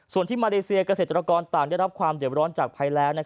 ส่วนที่มาเลเซียเกษตรกรต่างได้รับความเด็บร้อนจากภัยแรง